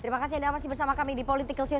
terima kasih anda masih bersama kami di political show